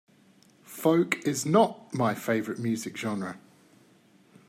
Folk is not my favorite music genre.